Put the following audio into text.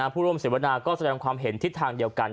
ผู้ร่วมเสวนาก็แสดงความเห็นทิศทางเดียวกัน